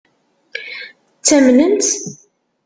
Ttamnen-tt?